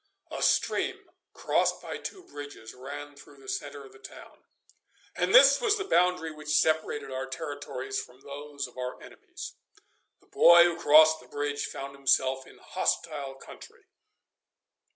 A stream, crossed by two bridges, ran through the centre of the town, and this was the boundary which separated our territories from those of our enemies. The boy who crossed the bridge found himself in hostile country.